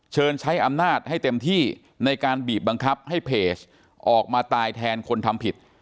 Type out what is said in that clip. เชิญใช้อำนาจให้เต็มที่ในการบีบบังคับให้เพจออกมาตายแทนคนทำผิด